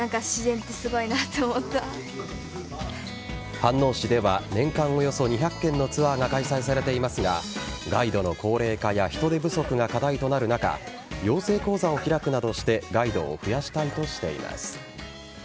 飯能市では年間およそ２００件のツアーが開催されていますがガイドの高齢化や人手不足が課題となる中養成講座を開くなどしてガイドを増やしたいとしています。